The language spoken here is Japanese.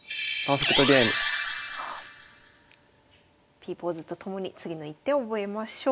Ｐポーズと共に次の一手を覚えましょう。